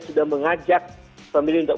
sudah mengajak pemilih untuk